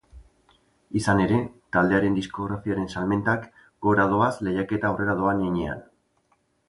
Izan ere, taldearen diskografiaren salmentak gora doaz lehiaketa aurrera doan heinean.